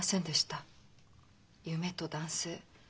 夢と男性